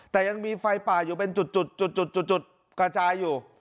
แต่ยังมีไฟป่าอยู่เป็นจุดกระจายอยู่